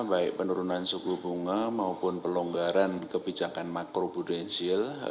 baik penurunan suku bunga maupun pelonggaran kebijakan makrobudensil